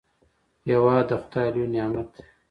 هېواد د خداي لوی نعمت دی.